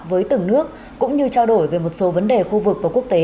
với từng nước cũng như trao đổi về một số vấn đề khu vực và quốc tế